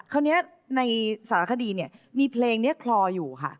คราวนี้ในสารคดีเนี่ยมีเพลงนี้คลออยู่ค่ะ